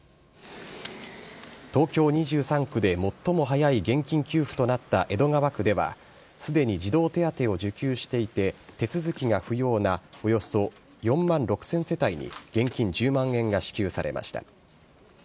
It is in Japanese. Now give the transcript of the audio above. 東京２３区で最も早い現金給付となった江戸川区では、すでに児童手当を受給していて、手続きが不要なおよそ４万６０００世帯に現金１０万円が支給されました。